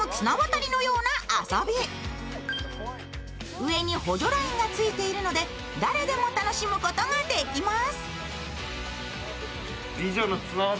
上に補助ラインが着いているので誰でも楽しむことができます。